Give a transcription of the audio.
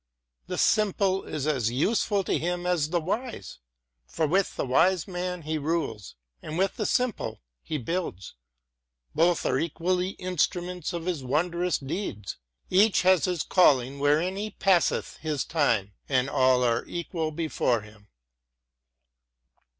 The simple is as useful to him as the wise. For with the wise man he rules, and with the simple he builds. Both are equally instruments of his wondrous deeds. Each has his calling wherein he passeth his time ; and all are equal before him.